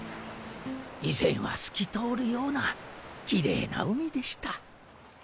以前は透き通るようなキレイな海でした。